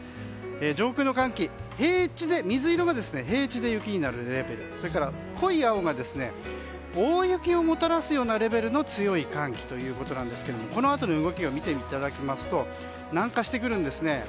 上空の寒気、水色が平地で雪になるレベル濃い青が大雪をもたらすようなレベルの強い寒気ということですがこのあとの動きを見ると南下してくるんです。